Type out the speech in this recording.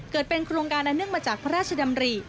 เกิดเป็นโครงการอันเนื่องมาจากพระราชดำริ